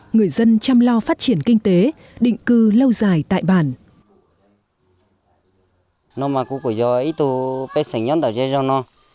người dân chăm lo phát triển kinh tế định cư lâu dài tại bản